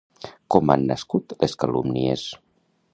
Com han nascut les calúmnies?